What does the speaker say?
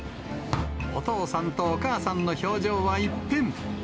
お父さんとお母さんの表情は一変。